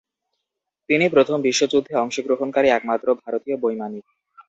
তিনি প্রথম বিশ্বযুদ্ধে অংশগ্রহণকারী একমাত্র ভারতীয় বৈমানিক।